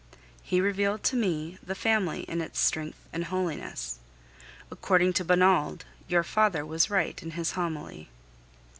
He revealed to me the Family in its strength and holiness. According to Bonald, your father was right in his homily.